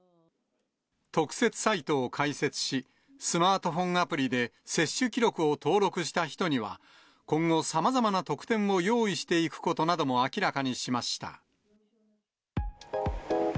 特設サイトを開設し、スマートフォンアプリで接種記録を登録した人には、今後、さまざまな特典を用意していくことなども明らかにしました。